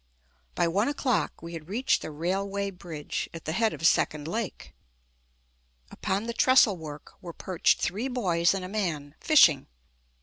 By one o'clock we had reached the railway bridge at the head of Second Lake. Upon the trestlework were perched three boys and a man, fishing.